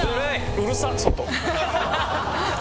うるさっ外。